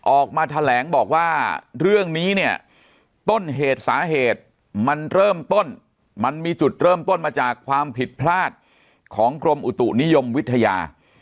ออกมาแถลงบอกว่าเรื่องนี้เนี่ยต้นเหตุสาเหตุมันเริ่มต้นมันมีจุดเริ่มต้นมาจากความผิดพลาดของกรมอุตุนิยมวิทยา